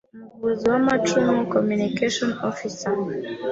Umuvuzi w’amacumu: Communication Offi cer.